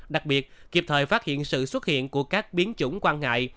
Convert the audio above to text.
đặc biệt kịp thời phát hiện sự xuất hiện của các biến chủng quan ngại